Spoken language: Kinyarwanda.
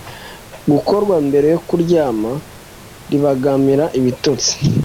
gukorwa mbere yo kuryama; ribangamira ibitotsi.